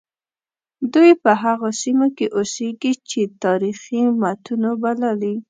دوی په هغو سیمو کې اوسیږي چې تاریخي متونو بللي.